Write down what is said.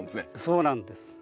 そうなんです。